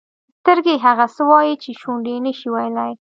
سترګې هغه څه وایي چې شونډې نه شي ویلای.